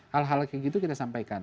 hal hal kayak gitu kita sampaikan